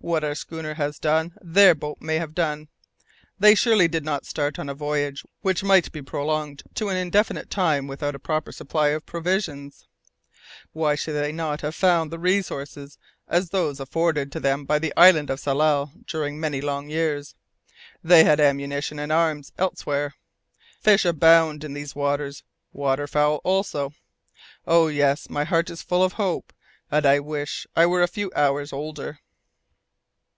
What our schooner has done, their boat may have done! They surely did not start on a voyage which might be prolonged to an indefinite time without a proper supply of provisions! Why should they not have found the resources as those afforded to them by the island of Tsalal during many long years? They had ammunition and arms elsewhere. Fish abound in these waters, water fowl also. Oh yes! my heart is full of hope, and I wish I were a few hours older!"